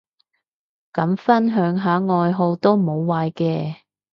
咁分享下愛好都無壞嘅